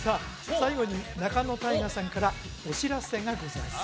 最後に仲野太賀さんからお知らせがございます